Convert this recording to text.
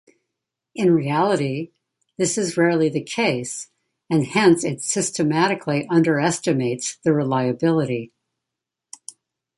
In reality this is rarely the case, and hence it systematically underestimates the reliability.